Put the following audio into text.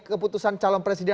keputusan calon presiden